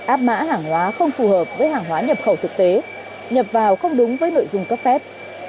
áp mã hàng hóa không phù hợp với hàng hóa nhập khẩu thực tế nhập vào không đúng với nội dung cấp phép